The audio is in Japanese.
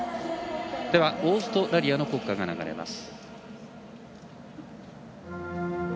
オーストラリアの国歌が流れます。